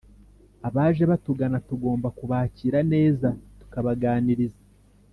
Abaje batugana tugomba kubakira neza, tukabaganiriza.